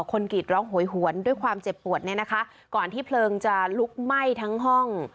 กรีดร้องโหยหวนด้วยความเจ็บปวดเนี่ยนะคะก่อนที่เพลิงจะลุกไหม้ทั้งห้อง